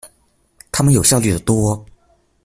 他們有效率的多